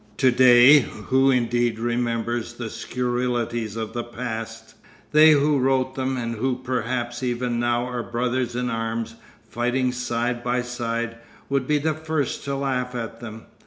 To day who indeed remembers the scurrilities of the past? They who wrote them and who perhaps even now are brothers in arms, fighting side by side, would be the first to laugh at them.